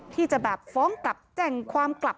ที่จะแบบฟ้องกลับแจ้งความกลับ